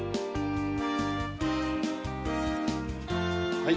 はい。